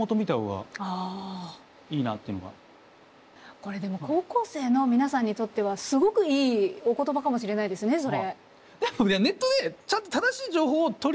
これでも高校生の皆さんにとってはすごくいいお言葉かもしれないですねそれ。